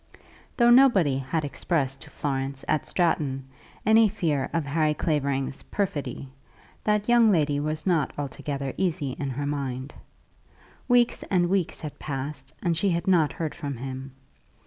Though nobody had expressed to Florence at Stratton any fear of Harry Clavering's perfidy, that young lady was not altogether easy in her mind. Weeks and weeks had passed, and she had not heard from him.